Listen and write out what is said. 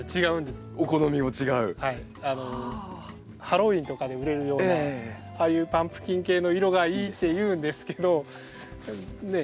ハロウィーンとかで売れるようなああいうパンプキン系の色がいいって言うんですけどね